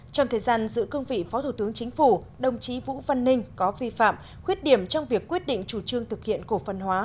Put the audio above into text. trong thời gian giữ cương vị phó thủ tướng chính phủ đồng chí vũ văn ninh có vi phạm khuyết điểm trong việc quyết định chủ trương thực hiện cổ phân hóa